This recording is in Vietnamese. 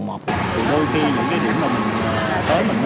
đôi khi những cái điểm mà mình tới mình mua thì nó là không có